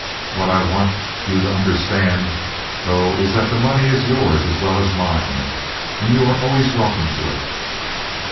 What I want you to understand, though, is that the money is yours as well as mine, and you are always welcome to it."